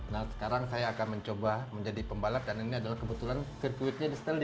nah sekarang saya akan mencoba menjadi pembalap dan ini adalah kebetulan sirkuitnya di setellion